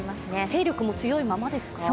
勢力も強いままですか？